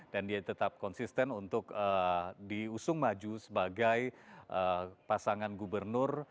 dan dia tetap konsisten untuk diusung maju sebagai pasangan gubernur